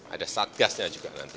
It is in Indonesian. ada satgasnya juga nanti